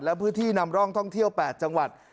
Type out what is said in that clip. และพื้นที่นำร่องท่องเที่ยว๘จังหวัด